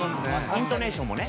イントネーションもね。